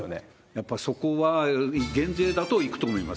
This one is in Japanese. やっぱそこは減税だといくと思います。